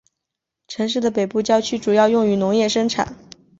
城市的北部郊区主要用于农业生产。